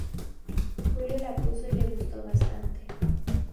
Julio la puso y le gustó bastante.